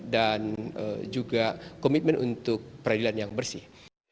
dan juga komitmen untuk peradilan yang bersih